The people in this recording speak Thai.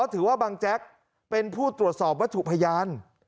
ถือว่าบังแจ๊กเป็นผู้ตรวจสอบวัตถุพยาน